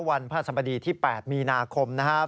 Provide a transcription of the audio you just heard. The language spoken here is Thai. พระสมดีที่๘มีนาคมนะครับ